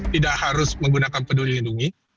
tidak harus menggunakan peduli lindungi